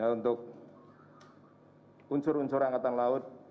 untuk unsur unsur angkatan laut